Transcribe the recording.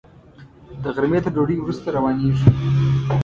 د غرمې تر ډوډۍ وروسته روانېږو.